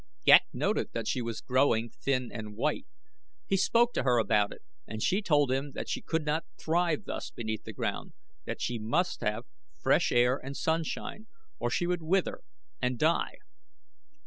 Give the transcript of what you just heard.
Ghek noted that she was growing thin and white. He spoke to her about it and she told him that she could not thrive thus beneath the ground that she must have fresh air and sunshine, or she would wither and die.